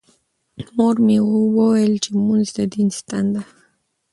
مور مې وویل چې لمونځ د دین ستنه ده.